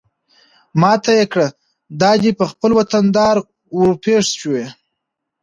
ما ته يې کړه دا دى په خپل وطندار ورپېښ شوې.